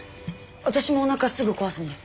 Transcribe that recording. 私もおなかすぐ壊すんで。